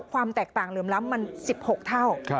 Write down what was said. ความแตกต่างเหลื่อมล้ำมัน๑๖เท่า